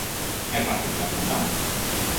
É fácil caer na trampa.